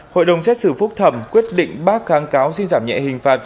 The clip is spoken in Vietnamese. hội đồng xét xử phúc thẩm quyết định bác kháng cáo xin giảm nhẹ hình phạt